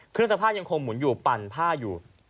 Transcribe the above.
เครื่องซักผ้ายังคงหมุนอยู่ปั่นผ้าอยู่